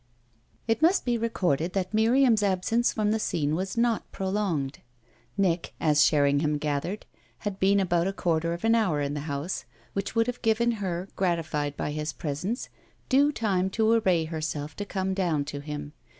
It must be recorded that Miriam's absence from the scene was not prolonged. Nick, as Sherringham gathered, had been about a quarter of an hour in the house, which would have given her, gratified by his presence, due time to array herself to come down to him.